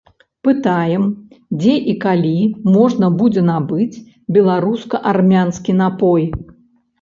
Пытаем, дзе і калі можна будзе набыць беларуска-армянскі напой.